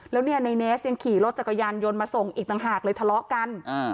แล้วเนี่ยในเนสยังขี่รถจักรยานยนต์มาส่งอีกต่างหากเลยทะเลาะกัน